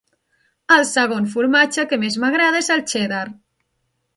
El segon formatge que més m'agrada és el cheddar.